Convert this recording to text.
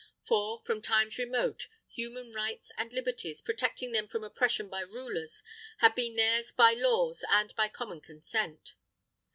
For, from times remote, human rights and liberties, protecting them from oppression by rulers, had been theirs by laws and by common consent.